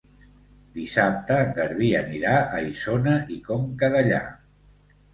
Dissabte en Garbí anirà a Isona i Conca Dellà.